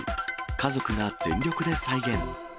家族が全力で再現。